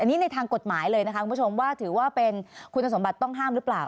อันนี้ในทางกฎหมายเลยนะคะคุณผู้ชมว่าถือว่าเป็นคุณสมบัติต้องห้ามหรือเปล่า